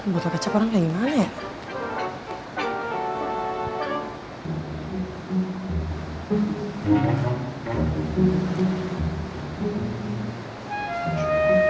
botol kecap orang lagi mana ya